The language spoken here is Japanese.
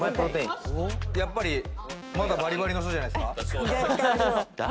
やっぱりバリバリの人じゃないですか？